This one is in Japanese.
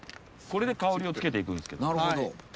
これで香りをつけていくんですけど。